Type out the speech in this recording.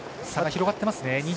差が広がっていますね。